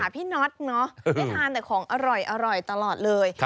ผมก็จะไปหาพี่นัทเนาะได้ทานแต่ของอร่อยตลอดเลย